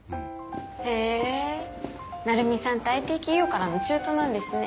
へぇ成海さんってＩＴ企業からの中途なんですね。